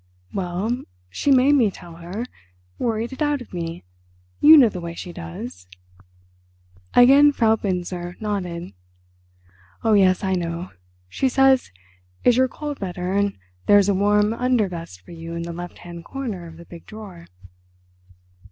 "Well, she made me tell her, worried it out of me; you know the way she does." Again Frau Binzer nodded. "Oh yes, I know. She says, is your cold better, and there's a warm undervest for you in the left hand corner of the big drawer."